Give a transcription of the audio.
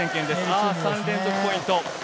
あぁ、３連続ポイント。